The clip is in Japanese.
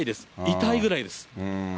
痛いぐらいです。